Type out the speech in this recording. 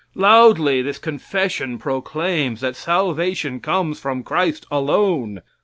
Loudly this confession proclaims that salvation comes from Christ alone.